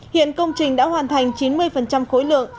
hiện công trình đã hoàn thành chín mươi khối lượng